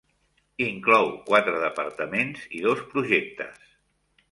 Inclou quatre departaments i dos projectes.